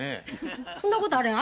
そんなことあれへん。